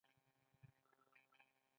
یوازې کار ته اړتیا ده.